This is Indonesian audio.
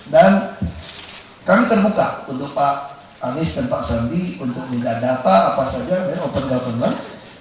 dan kami terbuka untuk pak anies dan pak sandi untuk mendadak apa saja dan open government